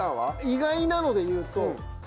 意外なので言うと。